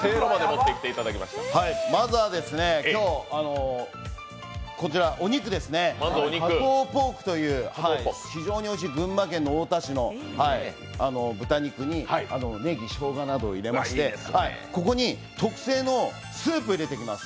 まずは今日、こちら、お肉ですね、加藤ポークという非常においしい群馬県の太田市の豚肉にねぎ、しょうがなどを入れましてここに特製のスープ入れていきます。